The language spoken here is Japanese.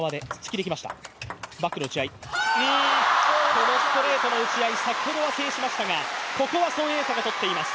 このストレートの打ち合い、先ほどは制しましたが、ここは孫エイ莎が取っています。